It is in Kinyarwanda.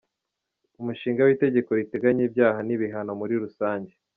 Umushinga w’Itegeko riteganya ibyaha n’ibihano muri rusange;.